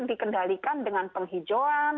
dikendalikan dengan penghijauan